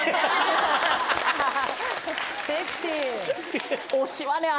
セクシー。